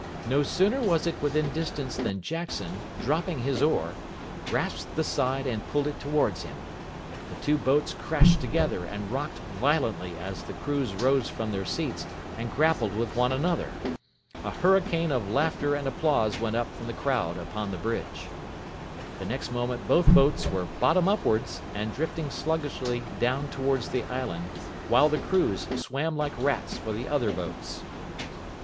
No sooner was it within distance than Jackson, dropping his oar, grasped the side and pulled it towards him. The two boats crashed together and rocked violently as the crews rose from their seats and grappled with one another. A hurricane of laughter and applause went up from the crowd upon the bridge. The next moment both boats were bottom upwards and drifting sluggishly down towards the island, while the crews swam like rats for the other boats.